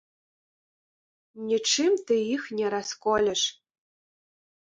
Нічым ты іх не расколеш.